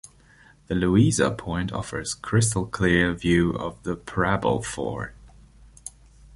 The Louisa Point offers crystal clear view of the Prabal Fort.